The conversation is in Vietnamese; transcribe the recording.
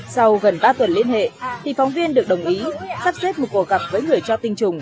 sau gần ba tuần liên hệ thì phóng viên được đồng ý sắp xếp một cuộc gặp với người cho tinh trùng